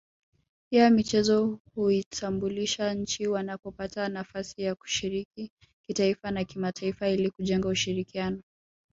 Pia michezo huitambulisha nchi wanapopata nafasi ya kushiriki kitaifa na kimataifa ili kujenga ushirikiano